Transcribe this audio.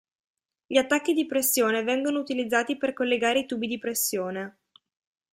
Gli attacchi di pressione vengono utilizzati per collegare i tubi di pressione.